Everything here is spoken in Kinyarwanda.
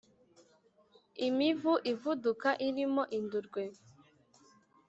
imivu ivuduka irimo indurwe